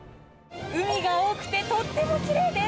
海が多くて、とってもきれいです。